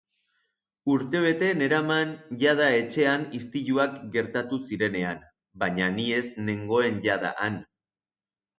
Urtebete neraman jada etxean istiluak gertatu zirenean, baina ni ez nengoen jada han.